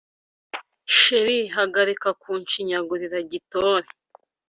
Cherie Hagarika Kunshinyagurira gitore